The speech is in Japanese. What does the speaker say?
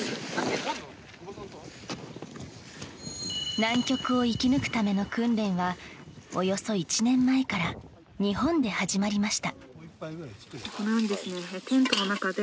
南極を生き抜くための訓練はおよそ１年前から日本で始まりました。